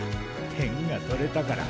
点が取れたから。